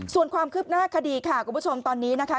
ส่วนความคืบหน้าคดีค่ะคุณผู้ชมตอนนี้นะคะ